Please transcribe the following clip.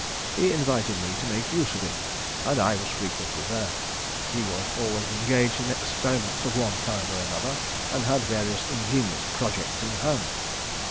He invited me to make use of it, and I was frequently there. He was always engaged in experiments of one kind or another, and had various ingenious projects in hand.